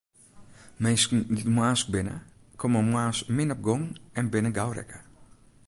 Minsken dy't moarnsk binne, komme moarns min op gong en binne gau rekke.